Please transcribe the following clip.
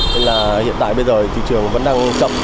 nên là hiện tại bây giờ thị trường vẫn đang chậm